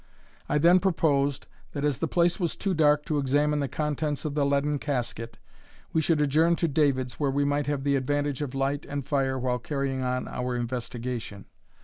I then proposed, that as the place was too dark to examine the contents of the leaden casket, we should adjourn to David's, where we might have the advantage of light and fire while carrying on our investigation.